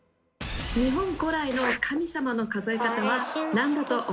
日本古来の神様の数え方は何だと思いますか？